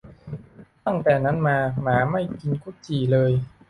ตั้งแต่นั้นมาหมาไม่กินกุดจี่เลย